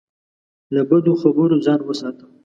له بدو خبرو ځان وساته.